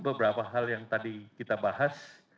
beberapa hal yang tadi kita bahas